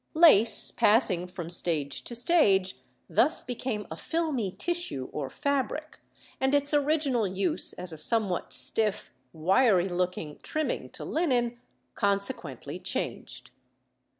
Lace, passing from stage to stage, thus became a filmy tissue or fabric, and its original use as a somewhat stiff, wiry looking trimming to linen consequently changed.